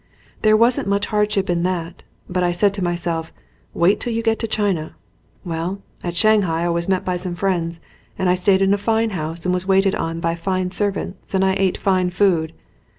There wasn't much hardship in that, but I said to myself: wait till you get to China. Well, at Shanghai I was met by some friends and I stayed in a fine house and was waited on by fine servants and I ate fine food.